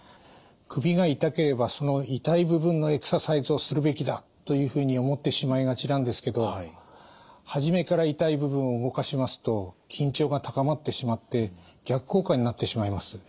首が痛ければその痛い部分のエクササイズをするべきだというふうに思ってしまいがちなんですけど初めから痛い部分を動かしますと緊張が高まってしまって逆効果になってしまいます。